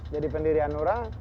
jadi pendiri hanura